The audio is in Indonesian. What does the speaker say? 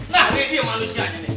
nah dia manusia aja nih